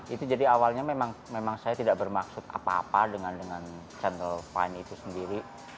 itu jadi awalnya memang saya tidak bermaksud apa apa dengan channel fine itu sendiri